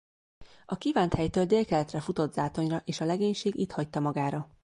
A kívánt helytől délkeletre futott zátonyra és a legénység itt hagyta magára.